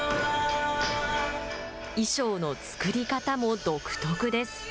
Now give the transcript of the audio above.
衣装の作り方も独特です。